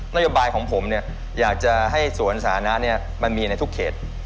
นโยบายของผมเนี่ยอยากจะให้สวนสาธารณะมันมีในทุกเขต